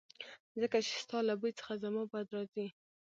ځکه چې ستا له بوی څخه زما بد راځي